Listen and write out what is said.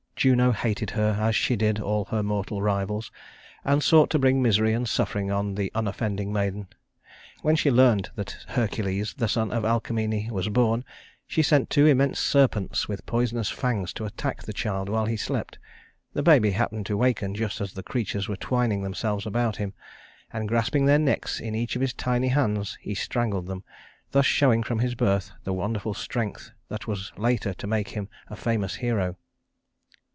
Juno hated her as she did all her mortal rivals, and sought to bring misery and suffering on the unoffending maiden. When she learned that Hercules, the son of Alcmene, was born, she sent two immense serpents with poisonous fangs to attack the child while he slept. The baby happened to waken just as the creatures were twining themselves about him; and grasping their necks in each of his tiny hands, he strangled them, thus showing from his birth the wonderful strength that was later to make him a famous hero.